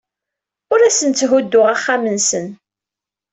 Ur asen-tthudduɣ axxam-nsen.